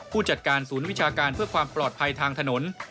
ผู้จัดการศูนย์วิชาการเพื่อความปลอดภัยทางถนน